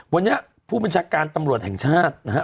วันนี้ผู้บัญชาการตำรวจแห่งชาตินะฮะ